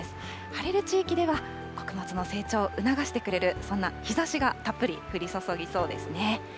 晴れる地域では、穀物の成長を促してくれる、そんな日ざしがたっぷり降り注ぎそうですね。